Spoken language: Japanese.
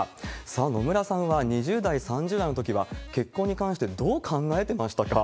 さあ、野村さんは２０代、３０代のときは結婚に関してどう考えてましたか？